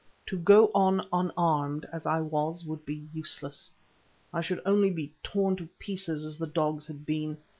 To go on unarmed as I was would be useless. I should only be torn to pieces as the dogs had been.